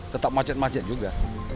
tetap macet macet juga